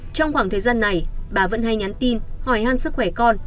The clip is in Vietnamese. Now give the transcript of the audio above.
trong khoảng thời gian này bà vẫn hay nhắn tin hỏi ăn sức khỏe con